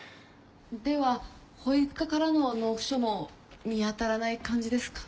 では保育課からの納付書も見当たらない感じですか？